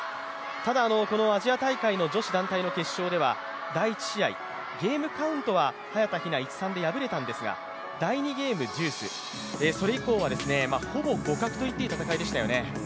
ただこのアジア大会の女子団体の決勝では、第１試合、ゲームカウントは早田ひな、１−３で敗れたんですが、第２ゲーム、ジュース、それ以降はほぼ互角といっていい戦いでしたよね。